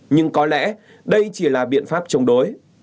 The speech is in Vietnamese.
nhưng có lẽ đây chỉ là biện pháp chống đối